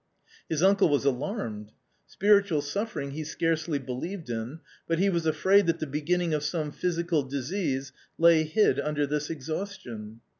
His uncle was alarmed. Spiritual suffering he scarcely believed in, but he was afraid that the beginning of some physical disease lay hid under this exhaustion.